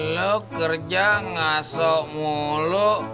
lo kerja ngasok mulu